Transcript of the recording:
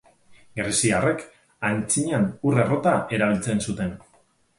Greziarrek aintzinan ur-errota erabiltzen zuten.